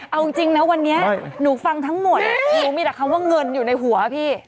เอาจริงนะวันนี้หนูฟังทั้งหมดหนูมีแต่คำว่าเงินอยู่ในหัวพี่